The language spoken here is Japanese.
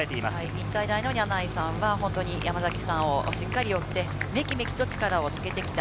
日体大の柳井さんは山崎さんをしっかり追ってメキメキと力をつけてきた。